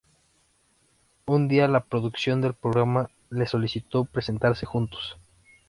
Un día, la producción del programa les solicitó presentarse juntos.